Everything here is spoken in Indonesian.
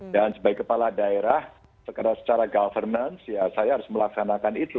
dan sebagai kepala daerah secara governance saya harus melaksanakan itu